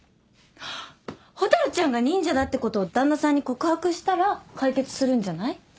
蛍ちゃんが忍者だってこと旦那さんに告白したら解決するんじゃない？